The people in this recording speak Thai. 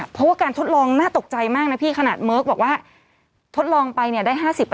เพราะว่าการทดลองน่าตกใจมากนะพี่ขนาดเมิร์กบอกว่าทดลองไปเนี่ยได้๕๐